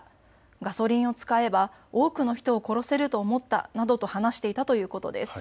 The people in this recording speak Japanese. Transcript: ガソリンを使えば、多くの人を殺せると思ったなどと話していたということです。